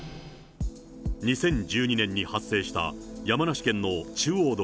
２０１２年に発生した山梨県の中央道